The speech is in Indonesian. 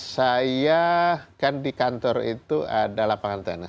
saya kan di kantor itu ada lapangan tenis